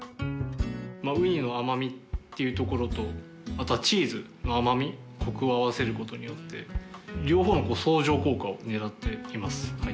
ウニの甘味っていうところとあとはチーズの甘味コクを合わせることによって両方の相乗効果を狙っています。